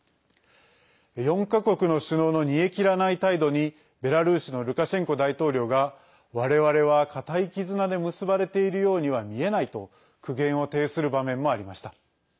４か国の首脳の煮え切らない態度にベラルーシのルカシェンコ大統領がわれわれは固い絆で結ばれているようには見えないと苦言を呈する場面もありました。